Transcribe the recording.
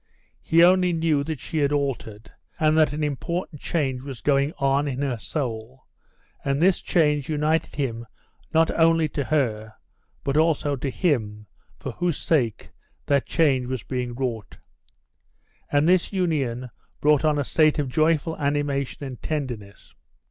He only knew that she had altered and that an important change was going on in her soul, and this change united him not only to her but also to Him for whose sake that change was being wrought. And this union brought on a state of joyful animation and tenderness.